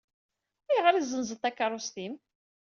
Ayɣer i tezzenzeḍ takeṛṛust-im?